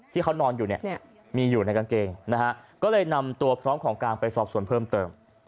ที่เขานอนอยู่เนี่ยมีอยู่ในกางเกงนะฮะก็เลยนำตัวพร้อมของกลางไปสอบส่วนเพิ่มเติม